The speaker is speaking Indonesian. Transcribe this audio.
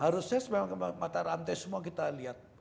harusnya memang mata rantai semua kita lihat